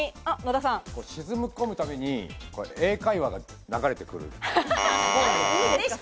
沈み込むたびに英会話が流れてくる。